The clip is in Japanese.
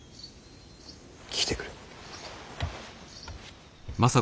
来てくれ。